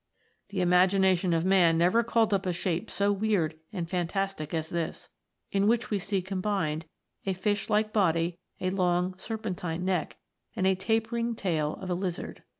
The imagination of man never called up a shape so weird and fantastic as this, in which we see com bined, a fish like body, a long serpentine neck, and the tapering tail of a lizard.